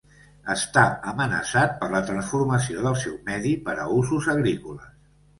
Està amenaçat per la transformació del seu medi per a usos agrícoles.